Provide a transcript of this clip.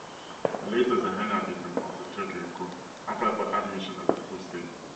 Later, the inhabitants of the territory could apply for admission as a full state.